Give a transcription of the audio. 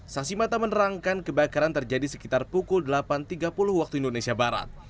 saksi mata menerangkan kebakaran terjadi sekitar pukul delapan tiga puluh waktu indonesia barat